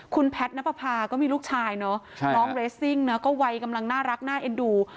คุณแพทย์นับประพาก็มีลูกชายเนอะน้องเรสซิ่งนะก็วัยกำลังน่ารักน่าเอ็นดู